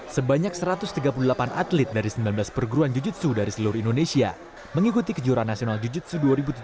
sebanyak satu ratus tiga puluh delapan atlet dari sembilan belas perguruan jiu jitsu dari seluruh indonesia mengikuti kejuaraan nasional jiu jitsu dua ribu tujuh belas